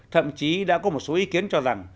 thậm chí đã có một số ý kiến cho rằng